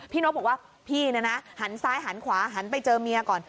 นกบอกว่าพี่เนี่ยนะหันซ้ายหันขวาหันไปเจอเมียก่อน